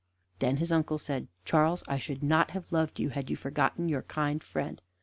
Then his uncle said: "Charles, I should not have loved you had you forgotten your kind friend."